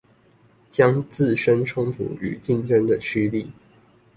將自身衝突與競爭的趨力